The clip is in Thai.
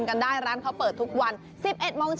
มีเฉพาะวันนี้วันที่๒๐นี้ถุนายนเท่านั้นนะครับ